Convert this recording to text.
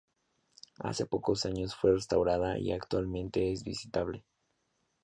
Hace pocos años fue restaurada y actualmente es visitable.